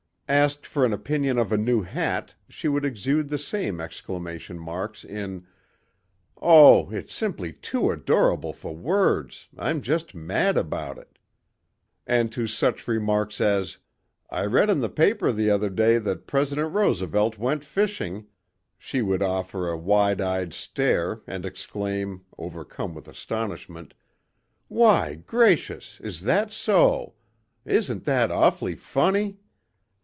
Asked for an opinion of a new hat she would exude the same exclamation marks in, "Oh! It's simply too adorable for words! I'm just mad about it!" And to such a remark as, "I read in the paper the other day that President Roosevelt went fishing," she would offer a wide eyed stare and exclaim, overcome with astonishment, "Why! Gracious! Is that so! Isn't that awfully funny!"